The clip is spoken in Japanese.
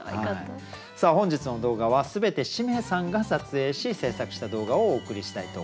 本日の動画は全てしめさんが撮影し制作した動画をお送りしたいと思います。